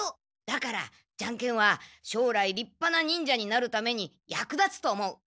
だからジャンケンはしょうらい立派な忍者になるために役立つと思う。